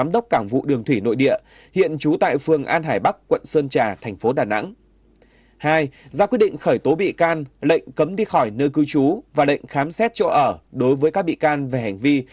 hai ra quyết định khởi tố bị can lệnh cấm đi khỏi nơi cư trú và lệnh khám xét chỗ ở đối với các bị can về hành vi